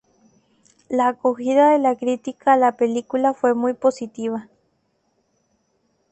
La acogida de la crítica a la película fue muy positiva.